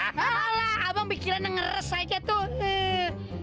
ah lah abang pikirannya ngeres aja tuh